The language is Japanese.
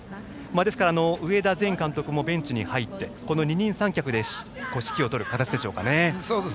ですから、上田前監督もベンチに入って二人三脚で指揮を執る形でしょうかね。